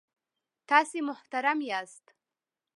تاسې محترم یاست.